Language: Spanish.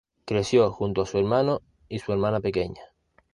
Creció junto a su hermano y su hermana pequeña.